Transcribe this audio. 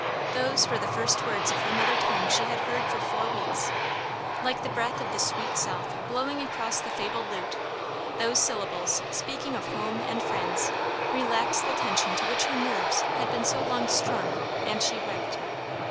Those were the first words of her mother tongue she had heard for four weeks. Like the breath of the "sweet south" blowing across the fabled lute, those syllables, speaking of home and friends, relaxed the tension to which her nerves had been so long strung and she wept.